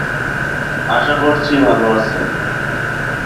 তারপর থেকে প্রকল্পের বিভিন্ন সুবিধা সক্রিয়ভাবে নির্মাণ অধীনে।